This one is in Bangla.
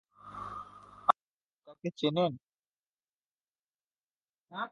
আপনি তাকে চেনেন?